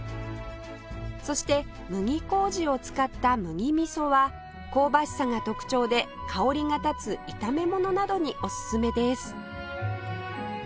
そして麦麹を使った麦みそは香ばしさが特徴で香りが立つ炒め物などにおすすめです